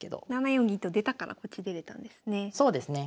７四銀と出たからこっち出れたんですね。